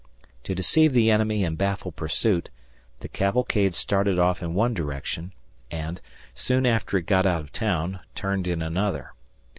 To deceive the enemy and baffle pursuit, the cavalcade started off in one direction and, soon after it got out of town, turned in another.